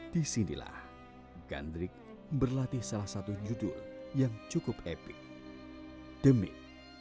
di sinilah gandrik berlatih salah satu judul yang cukup epic demit